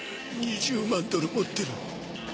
２０万ドル持ってる。